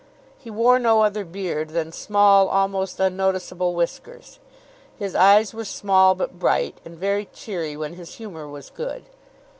He wore no other beard than small, almost unnoticeable whiskers. His eyes were small, but bright, and very cheery when his humour was good.